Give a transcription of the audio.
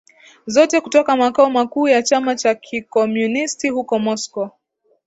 zote kutoka makao makuu ya chama cha kikomunisti huko Moscow